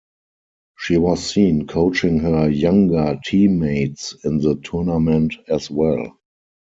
She was seen coaching her younger teammates in the tournament as well.